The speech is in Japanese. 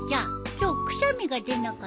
今日くしゃみが出なかった？